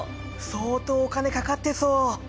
相当お金かかってそう。